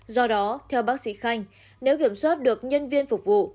do đó theo bác sĩ khanh nếu kiểm soát được nhân viên phục vụ